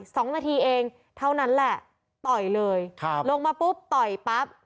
สองนาทีเองเท่านั้นแหละต่อยเลยครับลงมาปุ๊บต่อยปั๊บ